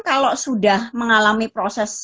kalau sudah mengalami proses